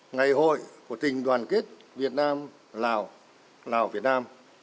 ngày hội của tình đoàn kết việt nam lào lào việt nam